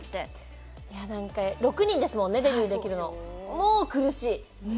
もう苦しい。